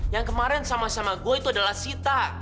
yang kemarin sama sama gue itu adalah sita